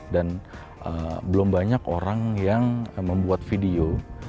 dan belum banyak orang yang membuat video